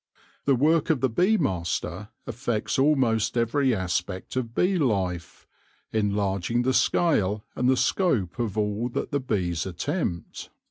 The work of the bee master affects almost every aspect of bee life, enlarging the scale and the scope of all that the bees attempt.